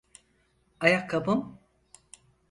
Ayakkabım!